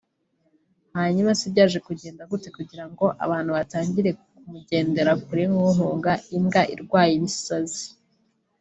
Hanyuma se byaje kugenda gute kugirango abantu batangire kumugendera kure nk’uhunga imbwa irwaye ibisazi